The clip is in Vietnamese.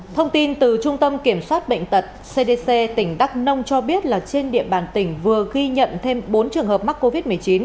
thông tin từ trung tâm kiểm soát bệnh tật cdc tỉnh đắk nông cho biết là trên địa bàn tỉnh vừa ghi nhận thêm bốn trường hợp mắc covid một mươi chín